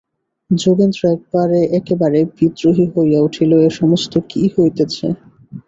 যোগেন্দ্র একেবারে বিদ্রোহী হইয়া উঠিল–এ-সমস্ত কী হইতেছে?